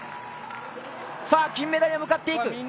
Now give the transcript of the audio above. さあ金メダルへ向かっていく。